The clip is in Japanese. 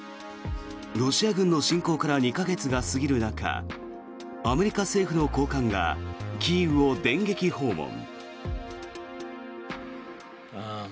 ロシア軍の侵攻から２か月が過ぎる中アメリカ政府の高官がキーウを電撃訪問。